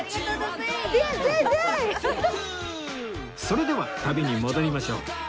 それでは旅に戻りましょう